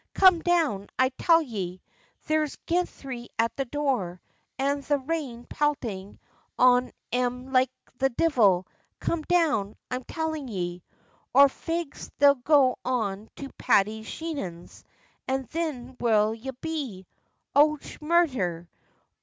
Come down, I tell ye! There's ginthry at the door, an' the rain peltin' on em like the divil. Come down, I'm tellin' ye! Or fegs they'll go on to Paddy Sheehan's, an' thin where'll ye be? Och, murdher!